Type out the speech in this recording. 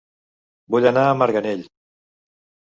Vull anar a Marganell